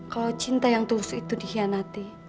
kalau cinta yang tulus itu dikhianati